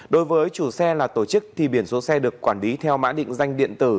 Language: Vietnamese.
đối với chủ xe là tổ chức thì biển số xe được quản lý theo mã định danh điện tử